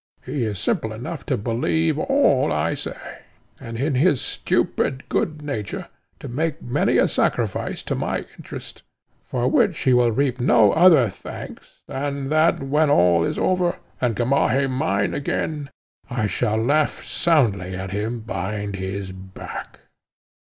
He is simple enough to believe all I say, and, in his stupid good nature, to make many a sacrifice to my interest, for which he will reap no other thanks than that, when all is over, and Gamaheh mine again, I shall laugh soundly at him behind his back."